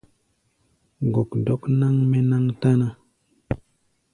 Gɔkdɔk náŋ-mɛ́ náŋ táná.